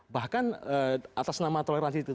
bahkan atas nama toleransi itu